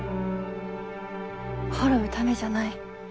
滅ぶためじゃない。